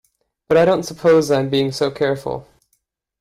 But I don't suppose I'm being so careful.